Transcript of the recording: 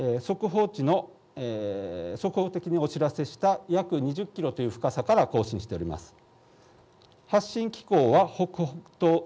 速報値の速報的にお知らせした約２０キロという深さから更新しております。